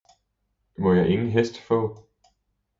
Må jeg ingen hest få!